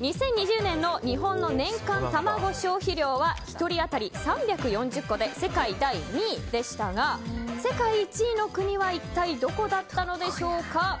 ２０２０年の日本の年間卵消費量は１人当たり３４０個で世界第２位でしたが世界１位の国はどこだったんでしょうか。